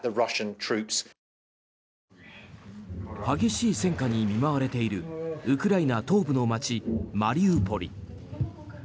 激しい戦火に見舞われているウクライナ東部の街マリウポリ。